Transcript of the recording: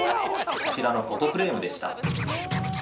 ◆こちらのフォトフレームでした。